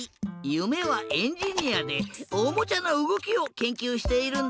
ゆめはエンジニアでおもちゃのうごきをけんきゅうしているんだって！